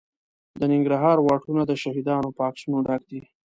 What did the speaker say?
د ننګرهار واټونه د شهیدانو په عکسونو ډک دي.